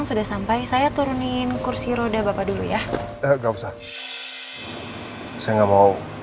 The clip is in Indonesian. sudah tidak apa apa